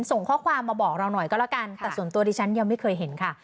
ส่งข้อความมาบอกเราหน่อยก็แล้วกันแต่ส่วนตัวดิฉันยังไม่เคยเห็นค่ะ